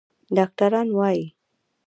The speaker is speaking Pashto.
ډاکتران وايي